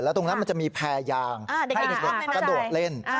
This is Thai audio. ตรงนั้นมันจะมีแพรยางให้เด็กกระโดดเล่น